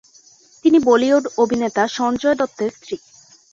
তিনি বলিউড অভিনেতা সঞ্জয় দত্তের স্ত্রী।